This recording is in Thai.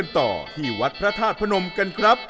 ต่อที่วัดพระธาตุพนมกันครับ